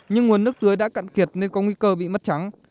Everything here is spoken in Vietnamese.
nhưng nguồn nước tưới đã cạn kiệt nên có nguy cơ bị mất trắng